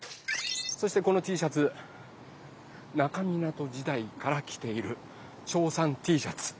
そしてこのＴシャツ那珂湊時代からきているチョーさんＴシャツ。